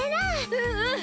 うんうん！